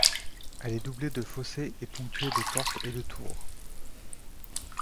Elle est doublée de fossés et ponctuée de portes et de tours.